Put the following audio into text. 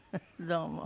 どうも。